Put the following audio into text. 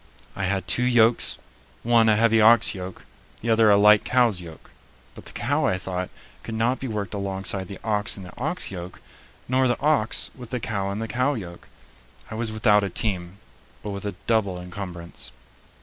I had two yokes, one a heavy ox yoke, the other a light cow's yoke; but the cow, I thought, could not be worked alongside the ox in the ox yoke, nor the ox with the cow in the cow yoke. I was without a team, but with a double encumbrance.